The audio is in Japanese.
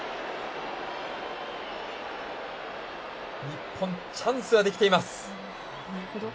日本チャンスはできています。